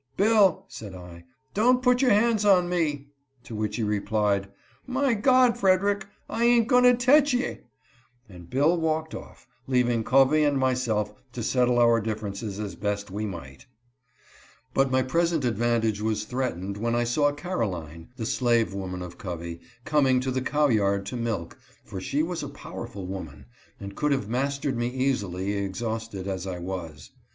" Bill," said I, " don't put your hands on me." To which he replied :" My God, Freder ick, I ain't goin' to tech ye "; and Bill walked off, leaving Covey and myself to settle our differences as best we might. But my present advantage was threatened when I saw Caroline (the slave woman of Covey) coming to the cow yard to milk, for she was a powerful woman, and could have mastered me easily, exhausted as I was.